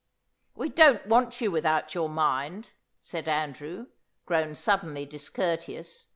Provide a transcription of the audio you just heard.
"We don't want you without your mind," said Andrew, grown suddenly discourteous.